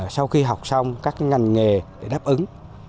sau khi học xong các ngành nghề để đáp ứng